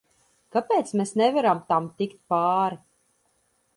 Kāpēc mēs nevaram tam tikt pāri?